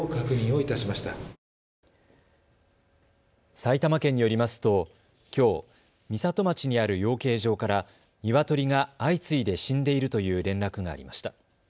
埼玉県によりますときょう、美里町にある養鶏場からニワトリが相次いで死んでいるという連絡がありました。